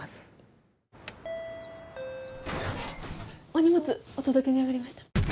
お荷物お届けに上がりました。